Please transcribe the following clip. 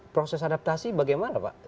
proses adaptasi bagaimana pak